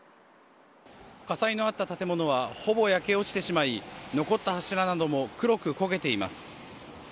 火災のあった建物はほぼ焼け落ちてしまい残った柱なども黒く焦げています。